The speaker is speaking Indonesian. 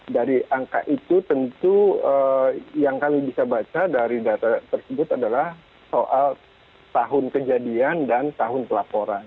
dari angka itu tentu yang kami bisa baca dari data tersebut adalah soal tahun kejadian dan tahun pelaporan